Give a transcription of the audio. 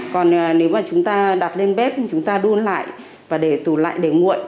còn nếu mà chúng ta đặt lên bếp thì chúng ta đun lại và để tủ lạnh để nguội